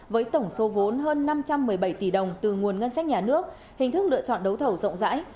với tổng số vốn hơn năm trăm một mươi bảy tỷ đồng từ nguồn ngân sách nhà nước hình thức lựa chọn đấu thầu rộng rãi